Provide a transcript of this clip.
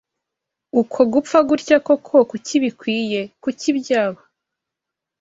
Uku gupfa gutya koko kuki bikwiye, kuki byaba ?